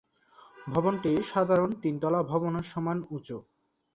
ভবনটি সাধারণ তিন তলা ভবনের সমান উঁচু।